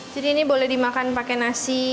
jadi ini boleh dimakan pakai nasi